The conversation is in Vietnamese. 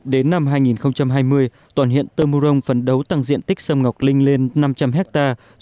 đến năm hai nghìn hai mươi toàn hiện tơ mưu rông phấn đấu tăng diện tích xâm ngọc linh lên năm trăm linh hectare